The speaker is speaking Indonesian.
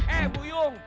eh bu yung